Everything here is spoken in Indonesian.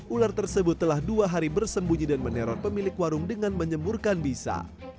ular tersebut telah dua hari bersembunyi dan meneror pemilik warung dengan menyemburkan bisa